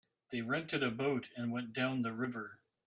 They rented a boat and went down the river.